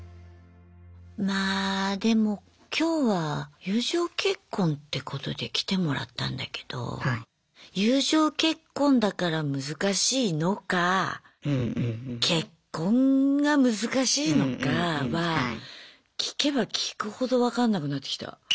まあでも今日は友情結婚ってことで来てもらったんだけど友情結婚だから難しいのか結婚が難しいのかは聞けば聞くほど分かんなくなってきた。